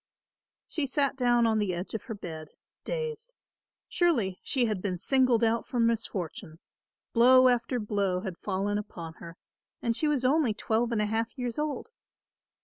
She sat down on the edge of her bed, dazed. Surely she had been singled out for misfortune; blow after blow had fallen upon her, and she was only twelve and a half years old.